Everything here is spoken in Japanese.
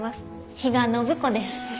比嘉暢子です。